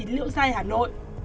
hai mươi chín liễu giai hà nội